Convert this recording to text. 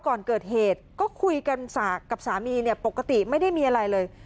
ก่อนเกิดเหตุก็คุยกันกับสามีเนี่ยปกติไม่ได้มีอะไรเลย